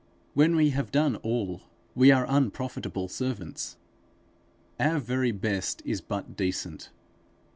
When we have done all, we are unprofitable servants. Our very best is but decent.